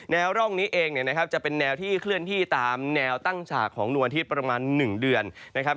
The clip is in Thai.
ร่องนี้เองเนี่ยนะครับจะเป็นแนวที่เคลื่อนที่ตามแนวตั้งฉากของนวลที่ประมาณ๑เดือนนะครับ